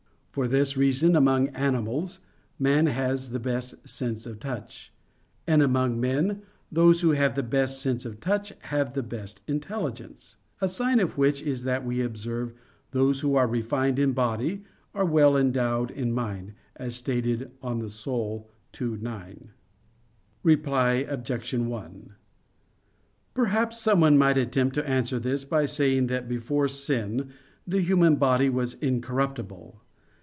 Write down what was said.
For this reason among animals, man has the best sense of touch. And among men, those who have the best sense of touch have the best intelligence. A sign of which is that we observe "those who are refined in body are well endowed in mind," as stated in De Anima ii, 9. Reply Obj. 1: Perhaps someone might attempt to answer this by saying that before sin the human body was incorruptible.